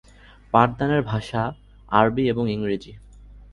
পাঠদানের ভাষা আরবি এবং ইংরেজি।